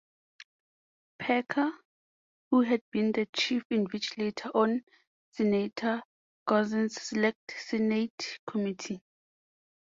Parker, who had been the chief investigator on Senator Couzens' Select Senate Committee.